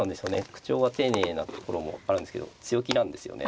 口調は丁寧なところもあるんですけど強気なんですよね。